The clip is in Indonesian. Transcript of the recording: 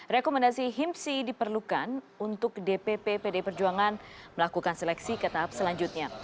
rekomendasi himsi diperlukan untuk dpp pdi perjuangan melakukan seleksi ke tahap selanjutnya